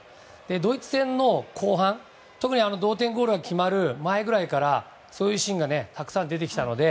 ドイツ戦の後半、特に同点ゴールが決まる前ぐらいからそういうシーンがたくさん出てきたので